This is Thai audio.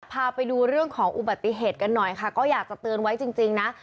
พาไปดูเรื่องของอุบัติเหตุกันหน่อยค่ะก็อยากจะเตือนไว้จริงนะ